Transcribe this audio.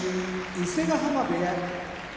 伊勢ヶ濱部屋